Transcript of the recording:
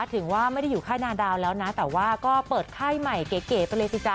ถึงว่าไม่ได้อยู่ค่ายนาดาวแล้วนะแต่ว่าก็เปิดค่ายใหม่เก๋ไปเลยสิจ๊